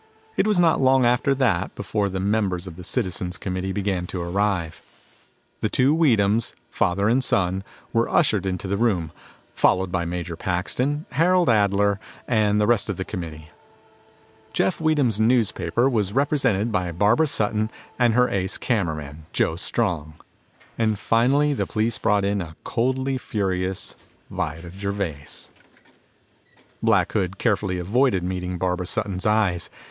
It was not long after that before the members of the citizens committee began to arrive. The two Weedhams, father and son, were ushered into the room, followed by Major Paxton, Harold Adler, and the rest of the committee. Jeff Weedham's newspaper was represented by Barbara Sutton and her ace cameraman, Joe Strong. And finally the police brought in a coldly furious Vida Gervais. Black Hood carefully avoided meeting Barbara Sutton's eyes.